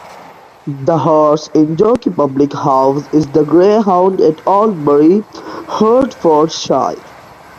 The Horse and Jockey public house is The Greyhound at Aldbury, Hertfordshire.